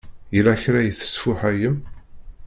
Yella kra i tesfuḥayem?